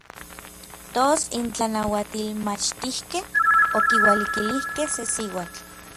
Tos n tlanauatilmachtijkej okiualikilijkej se siuatl.